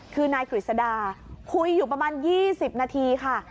คือนายกฤษดาคุยอยู่ประมาณ๒๐นาทีค่ะ